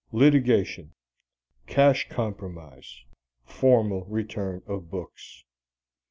Litigation. Cash compromise. Formal return of books.